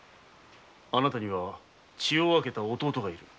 あなたには血を分けた弟が居る。